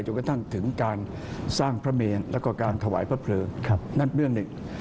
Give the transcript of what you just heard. กระทั่งถึงการสร้างพระเมนแล้วก็การถวายพระเพลิงนั่นเรื่องหนึ่ง